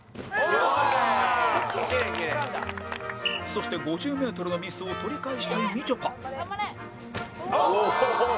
そして５０メートルのミスを取り返したいみちょぱおおー！